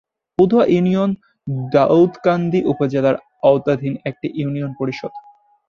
Padua union Daudkandi উপজেলার আওতাধীন একটি ইউনিয়ন পরিষদ।